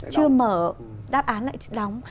chưa mở đáp án lại đóng